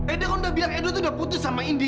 edo udah bilang edo udah putus sama indi